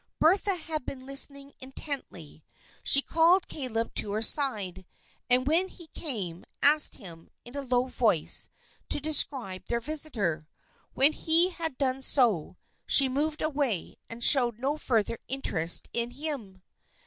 Bertha had been listening intently. She called Caleb to her side, and when he came, asked him, in a low voice, to describe their visitor. When he had done so, she moved away and showed no further interest in him.